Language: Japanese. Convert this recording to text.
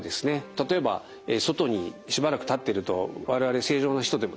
例えば外にしばらく立ってると我々正常な人でもですね